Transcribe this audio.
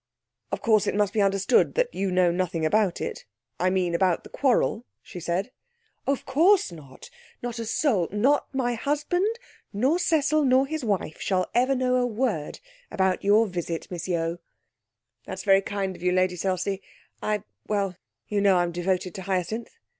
'Of course it must be understood that you know nothing about it I mean about the quarrel,' she said. 'Of course not. Not a soul, not my husband, nor Cecil, nor his wife shall ever know a word about your visit, Miss Yeo.' 'That is very kind of you, Lady Selsey. I well, you know I'm devoted to Hyacinth.